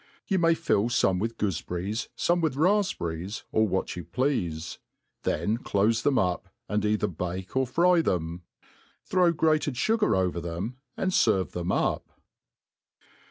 You may fill feme with goofeberries, fome with rafberries, or what you pleafc ; then clofc them up, and either bake or fry them J throw grated fugar over them, and ferve (hem up.